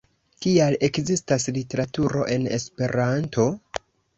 Kial ekzistas literaturo en Esperanto?